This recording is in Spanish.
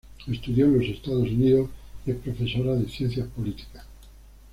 Estudió en los Estados Unidos y es profesora de ciencias políticas.